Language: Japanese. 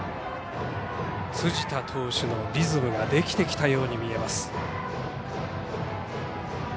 辻田投手のリズムができてきたように見えます。